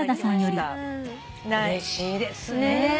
うれしいですね。